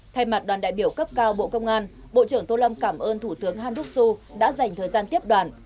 thay mặt đoàn đại biểu cấp cao bộ công an bộ trưởng tô lâm cảm ơn thủ tướng han đắc xu đã dành thời gian tiếp đoàn